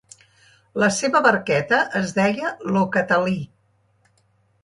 La seva barqueta es deia ‘Lo Catalí’.